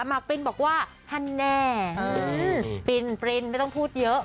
มาร์คปริ้นบอกว่าฮันแนปริ้นไม่ต้องพูดเยอะ